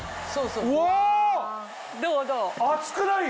うわ！